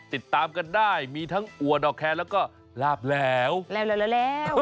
ติดตามกันได้มีทั้งแล้วก็แล้วแล้วแล้วแล้วแล้วแล้วแล้ว